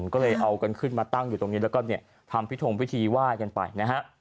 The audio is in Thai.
ก็เลยเอากันขึ้นมาตั้งอยู่ตรงนี้แล้วก็เนี่ยทำพิธงพิธีไหว้กันไปนะฮะ